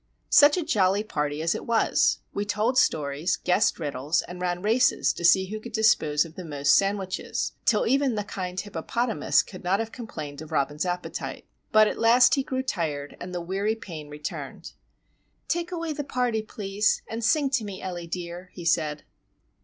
Such a jolly party as it was! We told stories, guessed riddles, and ran races to see who could dispose of the most sandwiches; till even the kind "Hippopotamus" could not have complained of Robin's appetite. But, at last, he grew tired, and the weary pain returned: "Take away the party, please, and sing to me, Ellie dear," he said.